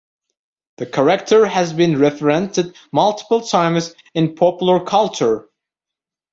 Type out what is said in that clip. The character has been referenced multiple times in popular culture.